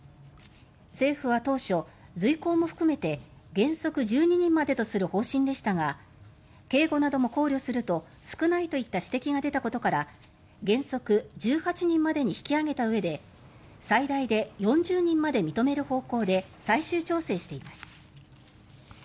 政府は当初、随行も含めて原則１２人までとする方針でしたが警護なども考慮すると少ないといった指摘が出たことから原則１８人までに引き上げたうえで最大で４０人まで認める方向で最終調整しています。